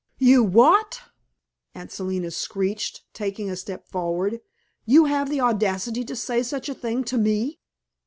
"You what?" Aunt Selina screeched, taking a step forward. "You have the audacity to say such a thing to me!"